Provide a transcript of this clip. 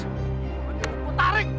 ini udah tarik